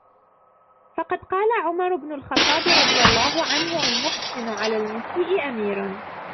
فَقَدْ قَالَ عُمَرُ بْنُ الْخَطَّابِ رَضِيَ اللَّهُ عَنْهُ الْمُحْسِنُ عَلَى الْمُسِيءِ أَمِيرٌ